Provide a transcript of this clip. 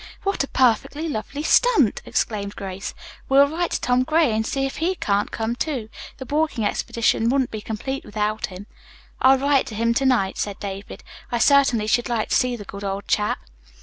"What a perfectly lovely stunt!" exclaimed Grace. "We'll write to Tom Gray, and see if he can't come, too. The walking expedition wouldn't be complete without him." "I'll write to him to night," said David. "I certainly should like to see the good old chap."